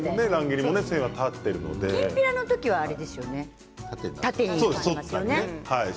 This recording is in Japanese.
きんぴらの時は縦に切りますよね。